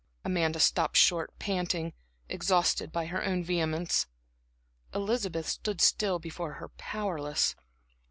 Amanda stopped short, panting, exhausted by her own vehemence. Elizabeth still stood before her powerless.